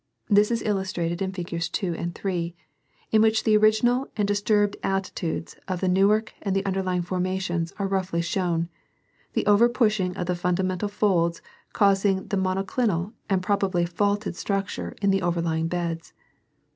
This is illustrated in figs. 2 and 3, Fia. 2. Fig. 3. in which the original and disturbed attitudes of the Newark and the undei lying formations are roughly shown, the over pushing of the fundamental folds causing the monoclinal and probably faulted structure in the overlying beds.